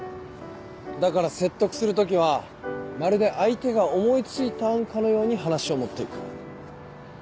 だから説得する時はまるで相手が思い付いた案かのように話を持って行く。